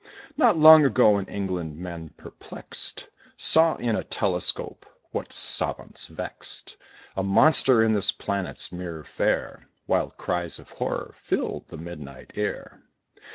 Not long ago, in England men perplexed, Saw, in a telescope, what savants vexed, A monster in this planet's mirror fair; Wild cries of horror filled the midnight air.